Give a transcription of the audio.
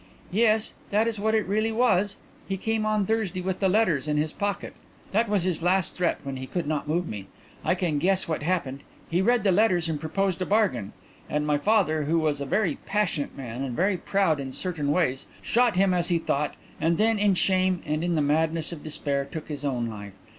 "Yes, that is what it really was. He came on Thursday with the letters in his pocket. That was his last threat when he could not move me. I can guess what happened. He read the letters and proposed a bargain. And my father, who was a very passionate man, and very proud in certain ways, shot him as he thought, and then, in shame and in the madness of despair, took his own life....